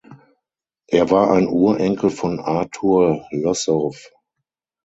Er war ein Urenkel von Arthur Lossow.